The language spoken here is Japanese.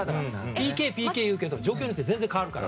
ＰＫ、ＰＫっていうけど状況によって全然変わるから。